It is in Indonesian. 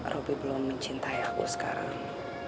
roby belum mencintai aku sekarang